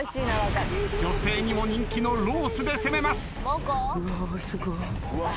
女性にも人気のロースで攻めます。